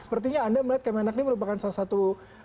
sepertinya anda melihat kemenak ini merupakan salah satu